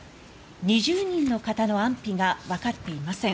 ２０人の方の安否がわかっていません。